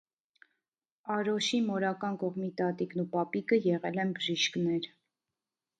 Արոշի մորական կողմի տատիկն ու պապիկը եղել են բժիշկներ։